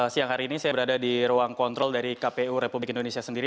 siang hari ini saya berada di ruang kontrol dari kpu republik indonesia sendiri